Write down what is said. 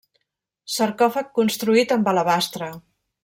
Sarcòfag construït amb alabastre.